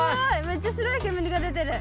めっちゃ白いけむりが出てる！